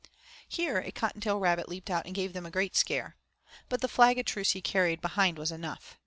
Here a cottontail rabbit leaped out and gave them a great scare. But the flag of truce he carried behind was enough.